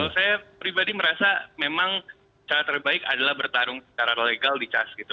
saya pribadi merasa memang cara terbaik adalah bertarung secara legal di charge gitu